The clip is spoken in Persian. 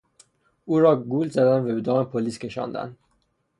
او را گول زدند و به دام پلیس کشاندند.